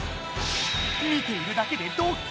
見ているだけでドッキドキ！